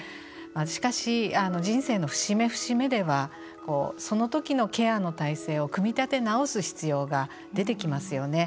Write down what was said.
しかし、人生の節目節目ではその時のケアの態勢を組み立て直す必要が出てきますよね。